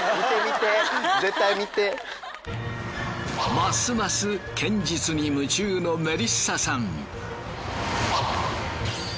ますます剣術に夢中のメリッサさん。